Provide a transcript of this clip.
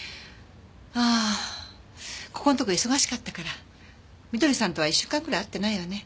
ああここのとこ忙しかったから翠さんとは１週間ぐらい会ってないわね。